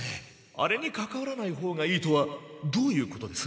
あれにかかわらないほうがいいとはどういうことです？